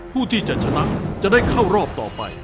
ผู้ที่จะชนะจะได้เข้ารอบต่อไป